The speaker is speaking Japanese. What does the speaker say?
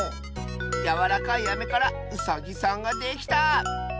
やわらかいアメからウサギさんができた！